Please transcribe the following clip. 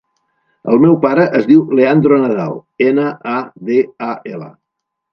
El meu pare es diu Leandro Nadal: ena, a, de, a, ela.